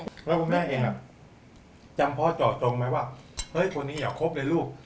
แล้วคุณแม่เองจำเพาะเจาะจงไหมว่าเฮ้ยคนนี้อย่าคบเลยลูก